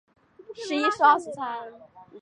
葡萄与苹果卷叶蛾是卷叶蛾科下的一种蛾。